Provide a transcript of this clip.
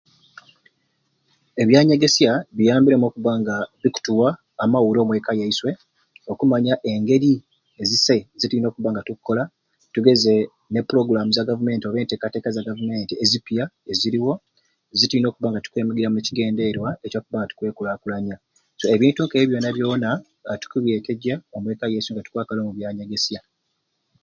Ebyanyegesya biyambire okuba nga bikutuwa amawuro omweka yaiswe okumanya engeri ezisai zetuyina okuba nga tukukola tugeze ne program za government oba enteekateeka za government ezipya eziro zetuyina okuba nga tukwemigiramu ne kigenderwa ekyakuba nga tukwekulakulanya ebintu nkebyo byona byona tukubyetejja omweka zaiswe nga tukwakala omu byanyegesya